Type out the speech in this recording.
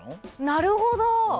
なるほど！